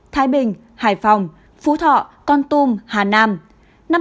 thái bình hải phòng phú thọ con tum hà nam